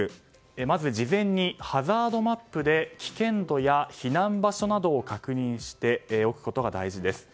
まず事前にハザードマップで危険度や避難場所などを確認しておくことが大事です。